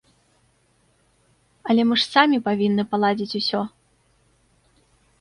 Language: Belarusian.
Але мы ж самі павінны паладзіць усё.